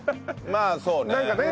まあそうね。